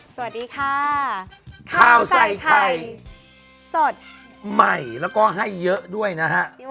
สวัสดีค่ะข้าวใส่ไข่สดใหม่แล้วก็ให้เยอะด้วยนะฮะ